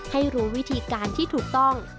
ให้รู้วิธีการที่ถูกต้อง